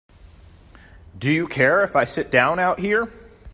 Do you care if I sit down out here?